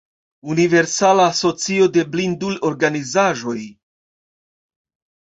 Universala Asocio de Blindul-Organizaĵoj.